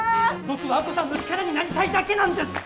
僕は亜子さんの力になりたいだけなんです！